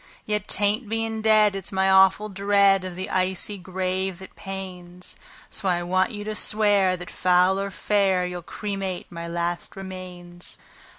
Yet 'tain't being dead it's my awful dread of the icy grave that pains; So I want you to swear that, foul or fair, you'll cremate my last remains."